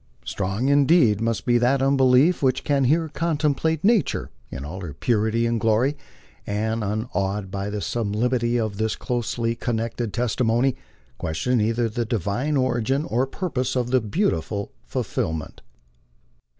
Strong indeed must be that unbelief which can here contemplate nature in all her purity and glory, and, nnawed by the sub limity of this closely connected testimony, question either the Divine origin 01 purpose of the beautiful firmament.